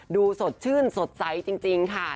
ดูสดชื่นสดใสจริงค่ะ